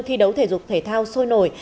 thi đấu thể dục thể thao sôi nổi